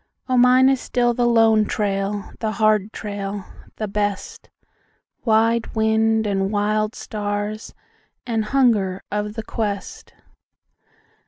O mine is still the lone trail, the hard trail, the best, Wide wind, and wild stars, and hunger of the quest!